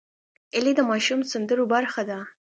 هیلۍ د ماشوم سندرو برخه ده